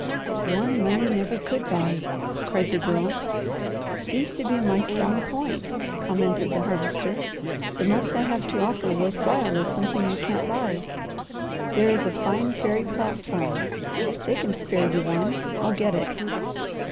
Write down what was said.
"One money never could buy!" cried the Girl. "Seems to be my strong point," commented the Harvester. "The most I have to offer worth while is something you can't buy. There is a fine fairy platform. They can spare you one. I'll get it."